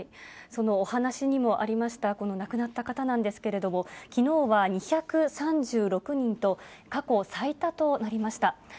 そのお話にもありました、亡くなった方なんですけれども、きのうは２３６人と、過去最多となりました。